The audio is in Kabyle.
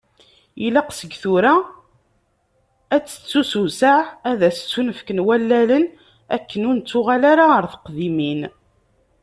Ilaq seg tura, ad tettusewseɛ, ad as-ttunefken wallalen, akken ur nettuɣal ara ɣer teqdimin.